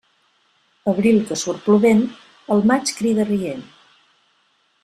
Abril que surt plovent, el maig crida rient.